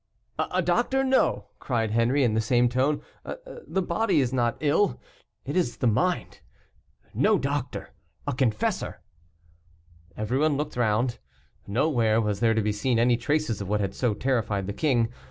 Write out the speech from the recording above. "A doctor, no," cried Henri, in the same tone, "the body is not ill, it is the mind; no doctor a confessor." Everyone looked round; nowhere was there to be seen any traces of what had so terrified the king.